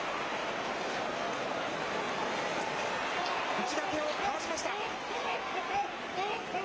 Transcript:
内掛けをかわしました。